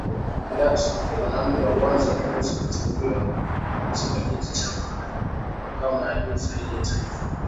Jackson, mwanamke wa kwanza mweusi kuteuliwa katika kiti cha mahakama ya juu zaidi ya taifa